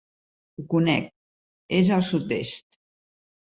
Ho conec, és al sud-est.